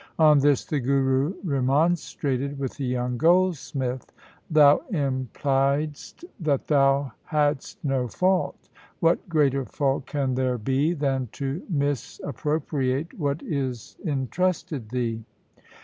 On this the Guru remon strated with the young goldsmith. ' Thou impliedst THE SIKH RELIGION that thou hadst no fault. What greater fault can there be than to misappropriate what is entrusted thee?